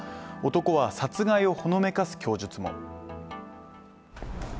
男は殺害をほのめかす供述も。